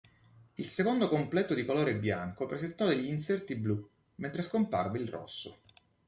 Il secondo completo di colore bianco, presentò degli inserti blu mentre scomparve il rosso.